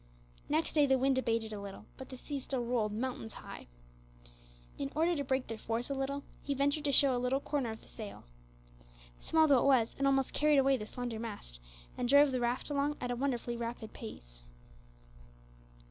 Next day the wind abated a little, but the sea still rolled "mountains high." In order to break their force a little, he ventured to show a little corner of the sail. Small though it was, it almost carried away the slender mast, and drove the raft along at a wonderfully rapid rate.